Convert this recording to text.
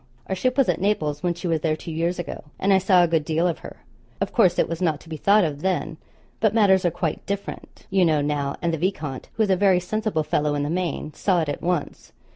Our ship was at Naples when she was there two years ago; and I saw a good deal of her. Of course it was not to be thought of then; but matters are quite different, you know, now, and the viscount, who is a very sensible fellow in the main, saw it at once.